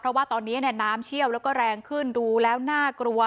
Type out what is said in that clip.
เพราะว่าตอนนี้น้ำเชี่ยวแล้วก็แรงขึ้นดูแล้วน่ากลัว